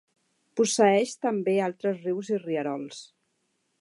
Posseeix també altres rius i rierols.